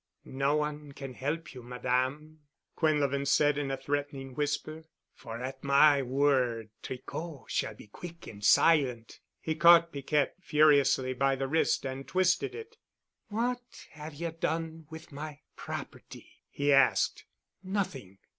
"No one can help you, Madame," Quinlevin said in a threatening whisper, "for at my word Tricot shall be quick and silent." He caught Piquette furiously by the wrist and twisted it. "What have you done with my property?" he asked. "Nothing."